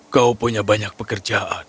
kau punya banyak pekerjaan